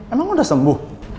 emang udah sembuh